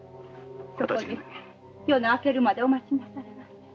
そこで夜が明けるまでお待ちなさいませ。